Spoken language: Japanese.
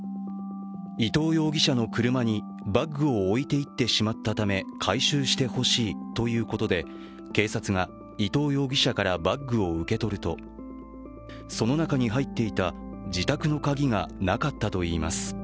伊藤容疑者の車にバッグを置いていってしまったため回収してほしいということで警察が伊藤容疑者からバッグを受け取ると、その中に入っていた自宅の鍵がなかったといいます。